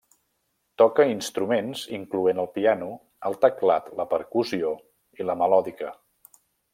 Toca instruments incloent el piano, el teclat, la percussió i la melòdica.